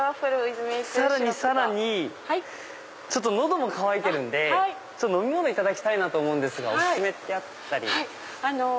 さらに喉も渇いてるんで飲み物いただきたいんですがお薦めってあったり？